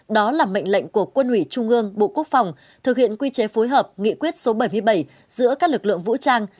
đó là mệnh lệnh của quân ủy trung ương bộ quốc phòng thực hiện quy chế phối hợp nghị quyết số bảy mươi bảy giữa các lực lượng vũ trang